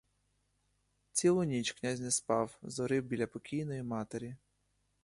Цілу ніч князь не спав, зорив біля покійної матері.